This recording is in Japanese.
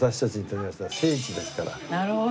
なるほど。